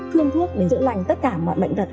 thương thước để giữ lành tất cả mọi bệnh vật